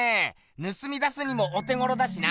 ぬすみ出すにもお手ごろだしな！